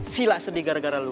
sila sedih gara gara lu